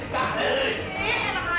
bukan ini cekak